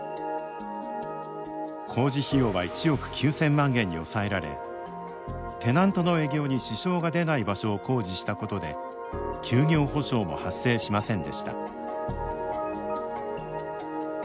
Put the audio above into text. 工事費用は１億９，０００万円に抑えられテナントの営業に支障が出ない場所を工事したことで休業補償も発生しませんでした。